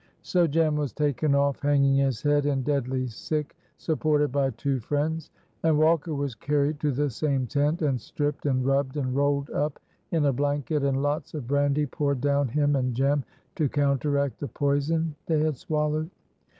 So Jem was taken off hanging his head, and deadly sick, supported by two friends, and Walker was carried to the same tent, and stripped and rubbed and rolled up in a blanket; and lots of brandy poured down him and Jem, to counteract the poison they had swallowed.